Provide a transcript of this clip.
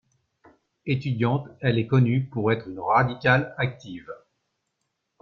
Étudiante, elle est connue pour être une radicale active.